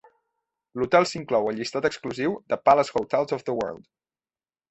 L'hotel s'inclou al llistat exclusiu de Palace Hotels of the World.